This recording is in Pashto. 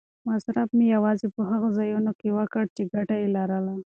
مصرف مې یوازې په هغو ځایونو کې وکړ چې ګټه یې لرله.